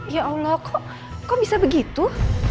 ya allah kok kok bisa begitu